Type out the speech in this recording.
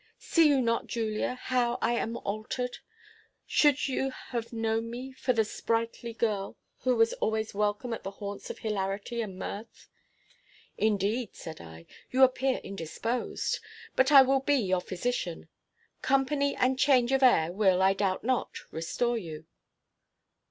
See you not, Julia, how I am altered? Should you have known me for the sprightly girl who was always welcome at the haunts of hilarity and mirth?" "Indeed," said I, "you appear indisposed; but I will be your physician. Company and change of air will, I doubt not, restore you."